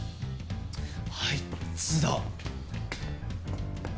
あいつだ！